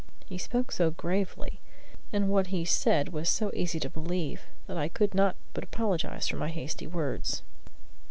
He spoke so gravely, and what he said was so easy to believe, that I could not but apologize for my hasty words.